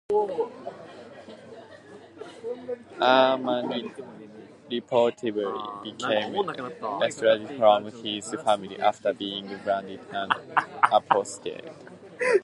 Armani reportedly became estranged from his family after being branded an apostate.